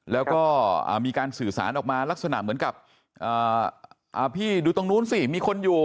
แล้วก็มีการสื่อสารออกมาลักษณะเหมือนกับพี่ดูตรงนู้นสิมีคนอยู่